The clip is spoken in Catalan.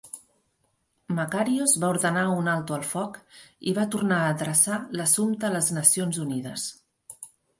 Makarios va ordenar un alto al foc i va tornar a adreçar l'assumpte a les Nacions Unides.